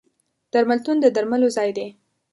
درملتون د درملو ځای دی.